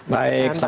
baik selamat sore